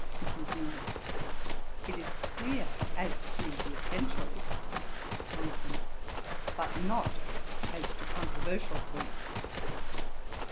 MRS. KNOWLES. 'It is clear as to essentials.' JOHNSON. 'But not as to controversial points.